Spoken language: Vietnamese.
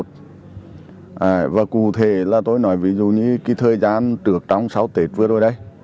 tại địa bàn cơ sở